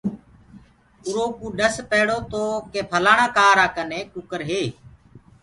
اُرو ڪوُ ڏس پيڙو تو ڪي ڦلآڻآ ڪآرآ ڪني ڪٚڪَر هي۔